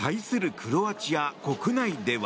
クロアチア国内では。